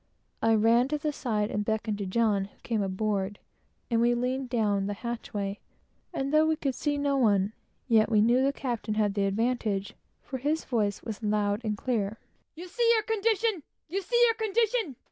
I ran to the side and beckoned to John, who came up, and we leaned down the hatchway; and though we could see no one, yet we knew that the captain had the advantage, for his voice was loud and clear "You see your condition! You see your condition!